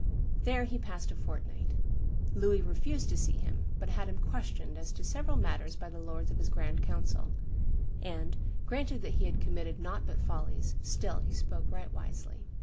There he passed a fortnight. Louis refused to see him, but had him "questioned as to several matters by the lords of his grand council; and, granted that he had committed nought but follies, still he spoke right wisely."